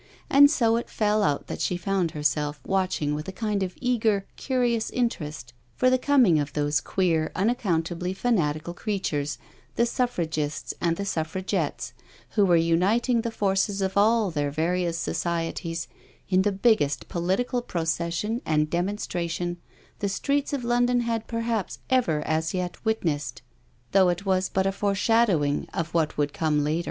And so it fell out that she found herself watching with a kind of eager, curious interest for the coming of those queer, unaccountably fanatical creatures, the Suffragists and the Suffragettes, who were uniting the forces of all their various societies in the biggest political procession and demonstration the streets of London had perhaps ever as yet witnessed, though it was but a foreshadowing of what would come later.